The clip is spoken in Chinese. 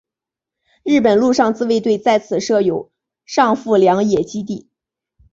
日本陆上自卫队在此设有上富良野基地。